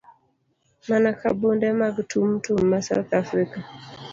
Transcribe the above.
Mana ka bunde mag Tum Tum ma South Afrika.